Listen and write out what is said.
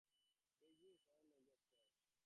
Beijing: Foreign Languages Press.